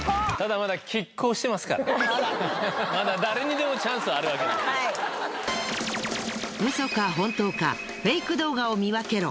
まだ誰にでもチャンスあるわけです。